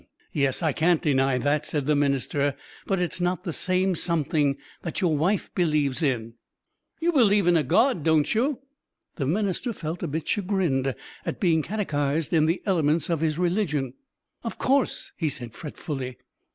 "H'm! Yes, I can't deny that," said the minister; "but it's not the same something that your wife believes in." "You believe in a God, don't you?" The minister felt a bit chagrined at being catechised in the elements of his religion. "Of course!" he said fretfully.